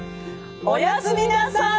おやすみなさい！